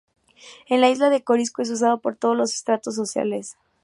En la Isla de Corisco, es usado por todos los estratos sociales.